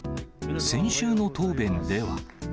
先週の答弁では。